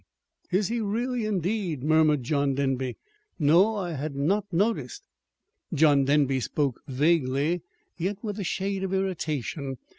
"Hm m. Is he really, indeed," murmured John Denby. "No, I had not noticed." John Denby spoke vaguely, yet with a shade of irritation.